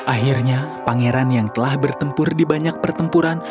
akhirnya pangeran yang telah bertempur di banyak pertempuran